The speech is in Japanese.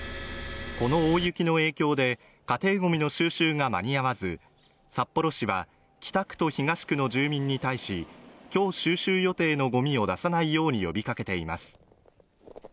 この大雪の影響で家庭ごみの収集が間に合わず札幌市は北区と東区の住民に対し今日収集予定のごみを出さないように呼びかけています